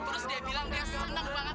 terus dia bilang dia senang banget